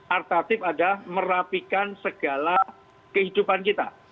at tatif adalah merapikan segala kehidupan kita